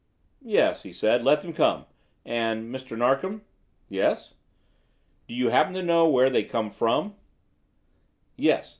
"Yes," he said. "Let them come. And Mr. Narkom?" "Yes?" "Do you happen to know where they come from?" "Yes.